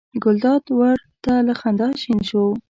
ګلداد ور ته له خندا شین شو.